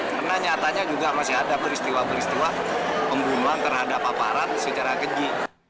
karena nyatanya juga masih ada peristiwa peristiwa pembunuhan terhadap aparat secara keji